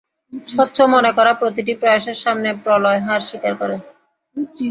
স্বচ্ছ মনে করা প্রতিটি প্রয়াসের সামনে, প্রলয় হার স্বীকার করে।